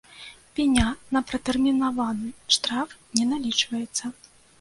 Пеня на пратэрмінаваны штраф не налічваецца.